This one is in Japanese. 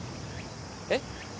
えっ？